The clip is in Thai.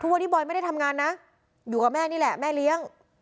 วันนี้บอยไม่ได้ทำงานนะอยู่กับแม่นี่แหละแม่เลี้ยง